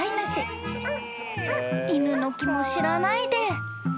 ［犬の気も知らないで］